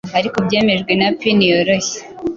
ariko byemejwe na pin yoroshye -